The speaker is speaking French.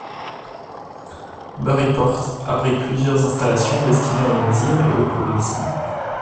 Burry Port abrite plusieurs installations destinées au loisirs et au tourisme.